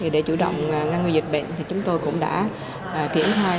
để chủ động ngăn ngừa dịch bệnh chúng tôi cũng đã triển khai